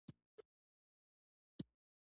زړه د بدن د نورو غړو لپاره حیاتي ارزښت لري.